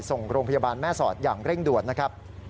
ส่งโรงพยาบาลแม่สอดอย่างเร่งด่วนนะครับ